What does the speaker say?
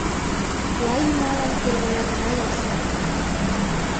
Лай ӱмалан тӱрвына гына ярса.